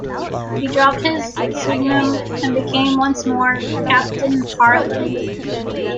He dropped his pseudonym and became once more Captain Harland.